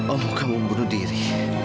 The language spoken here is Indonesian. om kamu bunuh diri